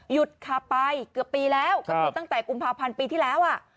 หยุดขับไปเกือบปีแล้วก็คือตั้งแต่กุมภาพันธ์ปีที่แล้วอ่ะ